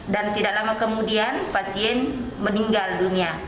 dan tidak lama kemudian pasien meninggal dunia